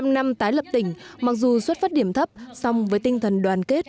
bảy mươi năm năm tái lập tỉnh mặc dù xuất phát điểm thấp song với tinh thần đoàn kết